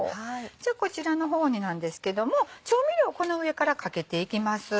こちらの方になんですけども調味料をこの上からかけていきます。